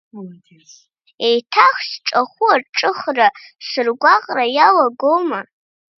Еиҭах сҿахәы аҿыхра, сыргәаҟра иалагома?